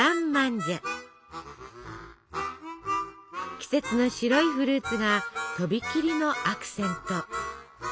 季節の白いフルーツがとびきりのアクセント。